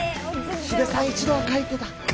ヒデさん、一度は書いてた。